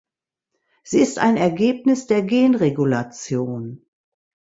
Sie ist ein Ergebnis der Genregulation.